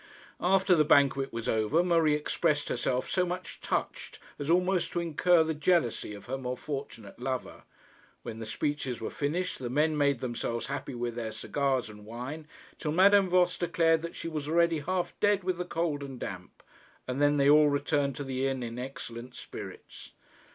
After the banquet was over Marie expressed herself so much touched as almost to incur the jealousy of her more fortunate lover. When the speeches were finished the men made themselves happy with their cigars and wine till Madame Voss declared that she was already half dead with the cold and damp, and then they all returned to the inn in excellent spirits.